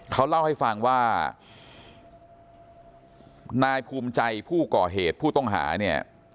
เขาเล่าให้ฟังว่านายภูมิใจผู้ก่อเหตุผู้ต้องหาเนี่ย